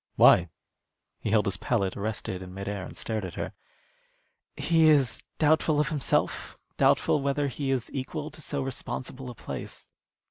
"Why?" He held his palette arrested in mid air and stared at her. "He is doubtful of himself doubtful whether he is equal to so responsible a place."